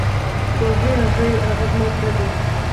پوهېږې؟ هغه زما تره دی.